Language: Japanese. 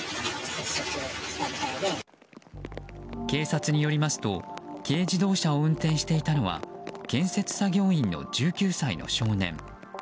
警察によりますと軽自動車を運転していたのは建設作業員の１９歳の少年。